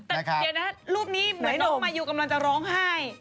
แต่เดี๋ยวนะรูปนี้เหมือนน้องมายูกำลังจะร้องไห้